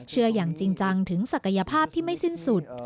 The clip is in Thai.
อย่างจริงจังถึงศักยภาพที่ไม่สิ้นสุด